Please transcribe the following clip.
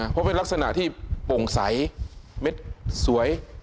เพราะเป็นลักษณะที่โปร่งใสเม็ดสวย